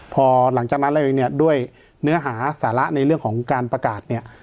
พอหลังจากนั้นเลยเนี่ยด้วยเนื้อหาสาระในเรื่องของการประกาศเนี่ย